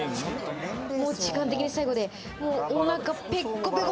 もう時間的に最後で、おなかペコペコ。